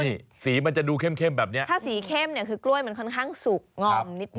นี่สีมันจะดูเข้มแบบนี้ถ้าสีเข้มเนี่ยคือกล้วยมันค่อนข้างสุกงอมนิดนึ